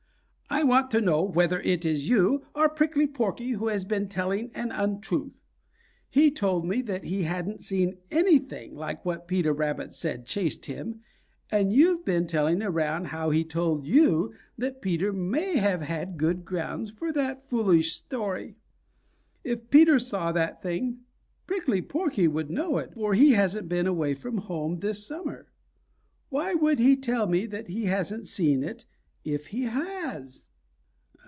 "I want to know whether it is you or Prickly Porky who has been telling an untruth. He told me that he hadn't seen anything like what Peter Rabbit said chased him, and you've been telling around how he told you that Peter may have had good grounds for that foolish story. If Peter saw that thing, Prickly Porky would know it, for he hasn't been away from home this summer. Why would he tell me that he hasn't seen it if he has?"